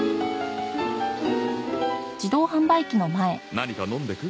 何か飲んでく？